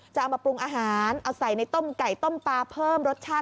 จะเอามาปรุงอาหารเอาใส่ในต้มไก่ต้มปลาเพิ่มรสชาติ